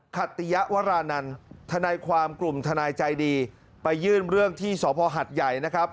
ขัตติยวรานันทนายความกลุ่มทนายใจดีไปยื่นเรื่องที่สพหัดใหญ่นะครับ